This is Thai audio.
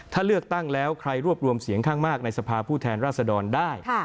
ถ้าเลือกตั้งแล้วใครรวบรวมเสียงข้างมากในสภาผู้แทนราษดรได้